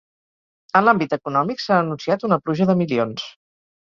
En l’àmbit econòmic, s’ha anunciat una pluja de milions.